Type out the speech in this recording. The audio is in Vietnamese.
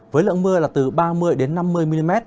với lượng mưa là từ ba mươi cho đến năm mươi mm